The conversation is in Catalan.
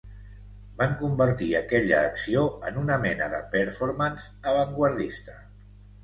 Van convertir aquella acció en una mena de performance avantguardista.